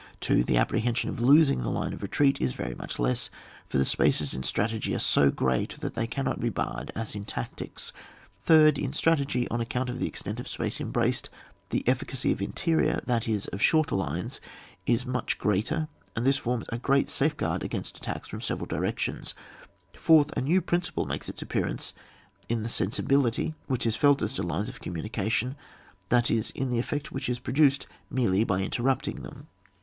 2nd. The apprehension of losing the line of retreat is very much less, for the spaces in strategy are so great that they cannot be barred as in tactics. 3rd. In strategy, on account of the extent of space embraced, the e£&cacy of interior, that is of shorter lines, is much greater, and this forms a great safe guard against attacks from several di rections. 4th. A new principle makes its appear ance in the sensibility, which is felt as to lines of communication, that is in the effect which is produced by merely inter rupting them.